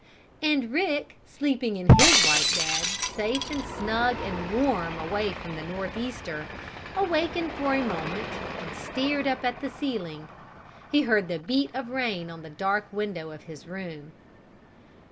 And Rick, sleeping in his white bed, safe and snug and warm away from the north easter, awakened for a moment and stared up at the ceiling. He heard the beat of rain on the dark window of his room.